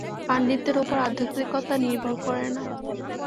পাণ্ডিত্যের উপর আধ্যাত্মিকতা নির্ভর করে না।